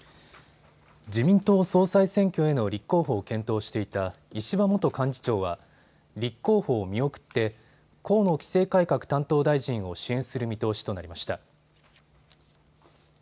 自民党総裁選挙への立候補を検討していた石破元幹事長は立候補を見送って河野規制改革担当大臣を支援する見通しとなりました。